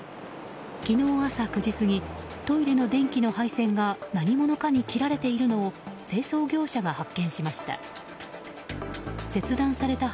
昨日朝９時過ぎトイレの電気の配線が何者かに切られているのを清掃業者が発見しました。